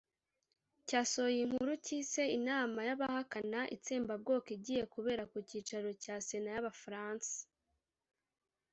cyasohoye inkuru cyise inama y'abahakana itsembabwoko igiye kubera ku cyicaro cya sénat y'abafaransa